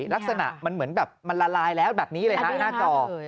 ลักษณะมันเหมือนแบบมันละลายแล้วแบบนี้เลยฮะหน้าจอ